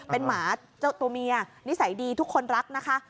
เป็นหมาเจ้าตัวเมียนิสัยดีทุกคนรักนะคะ